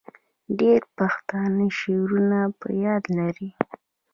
ډیری پښتانه شعرونه په یاد لري.